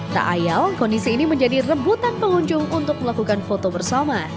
tak ayal kondisi ini menjadi rebutan pengunjung untuk melakukan foto bersama